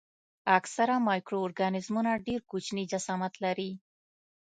اکثره مایکرو ارګانیزمونه ډېر کوچني جسامت لري.